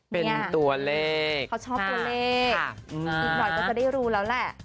เป็นตัวเลขเขาชอบตัวเลขอีกหน่อยก็จะได้รู้แล้วแหละ